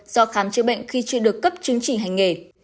do khám chữa bệnh khi chưa được cấp chứng chỉ hành nghề